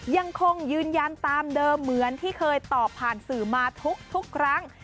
ยังคงยืนยันตามเดิมเหมือนที่เคยตอบผ่านสื่อมาทุกครั้ง